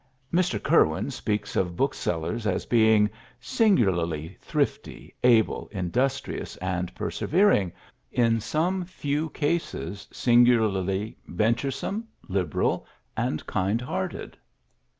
Mr. Curwen speaks of booksellers as being "singularly thrifty, able, industrious, and persevering in some few cases singularly venturesome, liberal, and kind hearted."